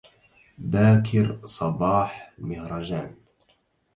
باكر صباح المهرجان